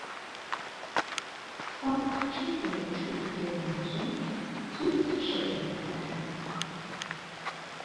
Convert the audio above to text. تاقچهی چوبی نازک زود شکم میدهد.